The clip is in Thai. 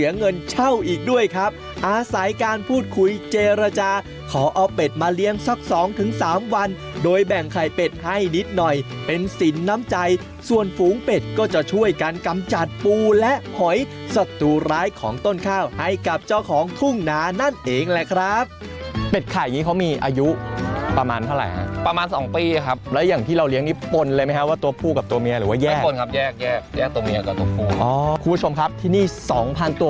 ในการพูดคุยเจรจาขอเอาเป็ดมาเลี้ยงสักสองถึงสามวันโดยแบ่งไข่เป็ดให้นิดหน่อยเป็นสินน้ำใจส่วนฝูงเป็ดก็จะช่วยกันกำจัดปูและหอยสัตว์ร้ายของต้นข้าวให้กับเจ้าของทุ่งนานั่นเองแหละครับเป็ดไข่นี้เขามีอายุประมาณเท่าไรครับประมาณสองปีครับแล้วอย่างที่เราเลี้ยงนี้ปนเลยไหมครับว่าตัวผู้กับตัว